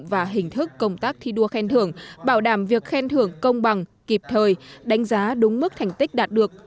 và hình thức công tác thi đua khen thưởng bảo đảm việc khen thưởng công bằng kịp thời đánh giá đúng mức thành tích đạt được